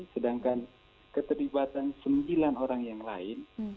sedangkan keterlibatan sembilan orang yang lain